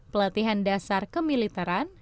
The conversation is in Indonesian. pelatihan dasar kemiliteran